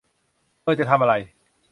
เธอจะทำอะไร